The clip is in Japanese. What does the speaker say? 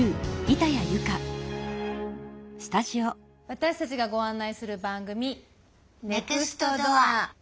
私たちがご案内する番組「ネクストドア」。